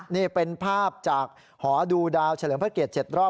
นี่เป็นภาพจากหอดูดาวน์เฉลิงแผ้นเกียจ๗รอบ